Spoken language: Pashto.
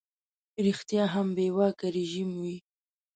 ریشتیا هم بې واکه رژیم وي.